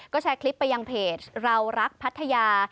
ก็แชร์คลิปไปยังเพจเรารักพัทยา